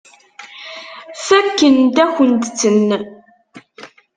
Fakkent-akent-ten.